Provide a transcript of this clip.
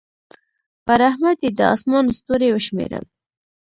پر احمد يې د اسمان ستوري وشمېرل.